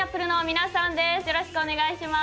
よろしくお願いします。